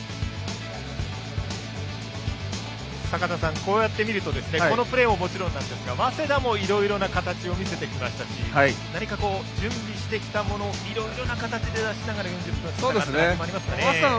こうやって見るとこのプレーももちろんですが早稲田もいろいろな形を見せてきましたし何か、準備してきたものをいろいろな形で出しながら４０分、戦ったというのがありますかね。